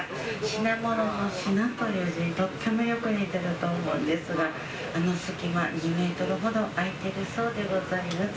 品物の品という字にとってもよく似ていると思うんですが、あの隙間、２メートルほど空いてるそうでございます。